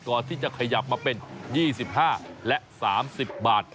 ก่อนที่จะขยับมาเป็น๒๕และ๓๐บาท